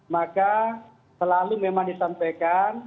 maka selalu memang disampaikan